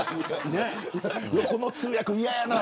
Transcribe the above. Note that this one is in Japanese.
横の通訳、嫌やな。